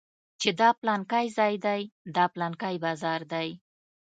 چې دا پلانکى ځاى دى دا پلانکى بازار دى.